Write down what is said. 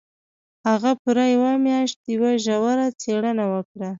هغه پوره یوه میاشت یوه ژوره څېړنه وکړه